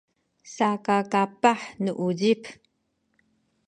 saka kapah nu uzip